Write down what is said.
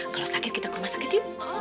kalau sakit kita ke rumah sakit ibu